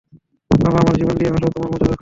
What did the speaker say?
বাবা, আমার জীবন দিয়ে হলেও তোমার মর্যাদা রক্ষা করব।